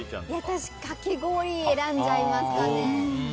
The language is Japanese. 私、かき氷選んじゃいますかね。